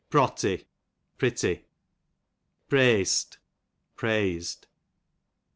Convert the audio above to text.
Protty, pretty. Preasi, praised.